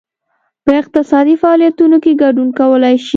په اقتصادي فعالیتونو کې ګډون کولای شي.